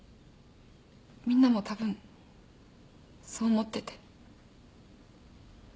みんなもたぶんそう思ってて。